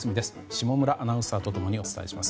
下村アナウンサーと共にお伝えします。